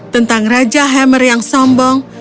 tentang raja hammer yang sombong